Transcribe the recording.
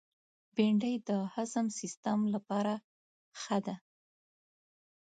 بېنډۍ د هضم سیستم لپاره ښه ده